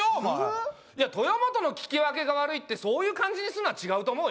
豊本の聞き分けが悪いっていう感じにするのは違うと思うよ。